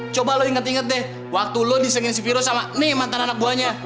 coba lo inget inget deh waktu lo disengin si virus sama nih mantan anak buahnya